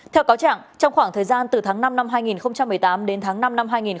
theo cáo trạng trong khoảng thời gian từ tháng năm năm hai nghìn một mươi tám đến tháng năm năm hai nghìn một mươi chín